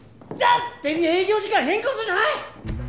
勝手に営業時間変更すんじゃない！